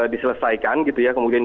diselesaikan gitu ya kemudian